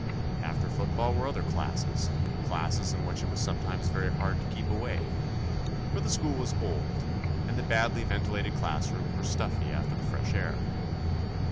After football were other classes, classes in which it was sometimes very hard to keep awake, for the school was old, and the badly ventilated class rooms were stuffy after the fresh air.